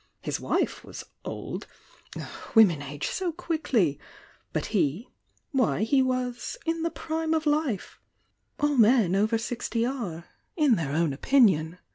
His wife was "old"— women age so quickly !— but he why he was "in the prime of life;" all men over six ty are— in their own opinion.